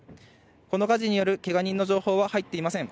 この火事によるけが人の情報は入っていません。